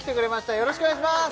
よろしくお願いします